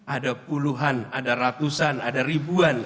ada puluhan ada ratusan ada ribuan